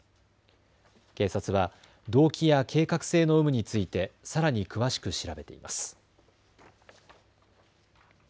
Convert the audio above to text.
警察は動機や計画性の有無についてさらに詳しく調べています。